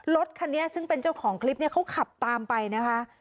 รถคันนี้ซึ่งเป็นเจ้าของคลิปเนี่ยเขาขับตามไปนะคะ